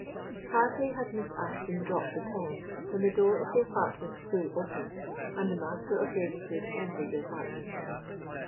Hardly had Miss Ashton dropped the pen, when the door of the apartment flew open, and the Master of Ravenswood entered the apartment.